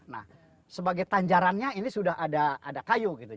nah sebagai tanjarannya ini sudah ada kayu gitu